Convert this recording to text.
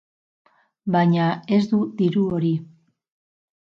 Baina, ez du diru hori.